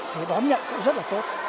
thì đón nhận cũng rất là tốt